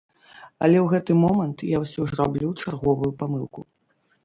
Але ў гэты момант я ўсё ж раблю чарговую памылку.